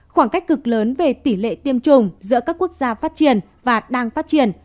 khoảng cách cực lớn về tỷ lệ tiêm chủng giữa các quốc gia phát triển và đang phát triển